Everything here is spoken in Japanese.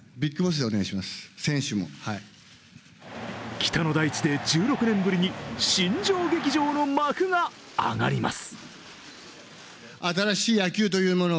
北の大地で１６年ぶりに新庄劇場の幕が上がります。